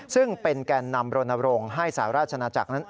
ซึ่งเป็นแก่นนำโรนโรงให้สหราชนาจักรนั้น